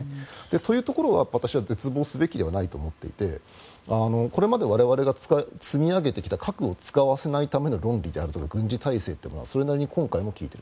というところは私は絶望すべきではないと思っていてこれまで我々が積み上げてきた核を使わせないための論理とか軍事態勢はそれなりに今回も利いている。